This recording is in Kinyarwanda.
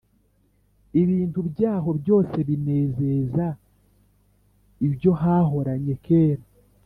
ibintu byaho byose binezeza, Ibyo hahoranye kera.